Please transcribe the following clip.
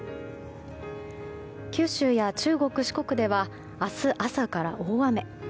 九州や中国・四国では明日朝から大雨。